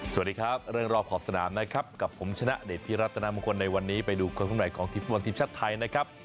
สวัสดีครับเรื่องรอบขอบสนามนะครับกับผมชนะเดชพิรัตนามงคลในวันนี้ไปดูคนข้างในของทีมฟุตบอลทีมชาติไทยนะครับ